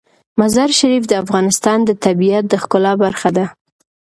مزارشریف د افغانستان د طبیعت د ښکلا برخه ده.